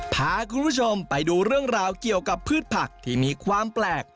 พาคุณผู้ชมไปดูเรื่องราวเกี่ยวกับพืชผักที่มีความแปลก